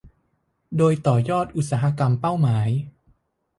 โดยต่อยอดอุตสาหกรรมเป้าหมาย